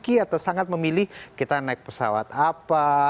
atau sangat memilih kita naik pesawat apa